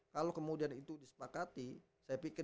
kalau kemudian itu disepakati saya pikir